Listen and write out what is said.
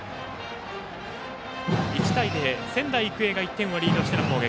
１対０、仙台育英が１点をリードしての攻撃。